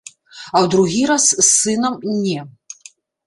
А ў другі раз, з сынам, не.